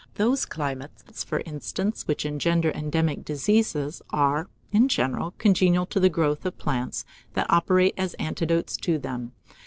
Those climates, for instance, which engender endemic diseases, are, in general, congenial to the growth of plants that operate as antidotes to them.